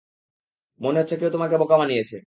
মনে হচ্ছে কেউ তোমাকে বোকা বানিয়েছে!